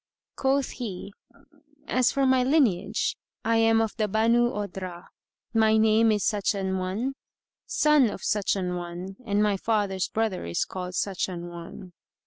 Quoth he "As for my lineage, I am of the Banú Odhrah; my name is such an one, son of such an one and my father's brother is called such an one."